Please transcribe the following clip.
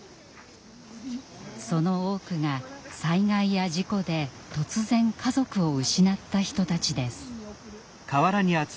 その多くが災害や事故で突然家族を失った人たちです。